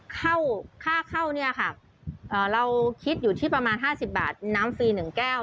เข้าค่าเข้าเนี่ยค่ะเอ่อเราคิดอยู่ที่ประมาณห้าสิบบาทน้ำฟรีหนึ่งแก้ว